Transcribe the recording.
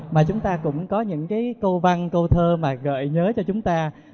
mà chúng ta cũng có những cái câu văn câu thơ mà gợi nhớ cho chúng ta